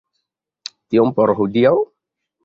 Tiom por hodiaŭ.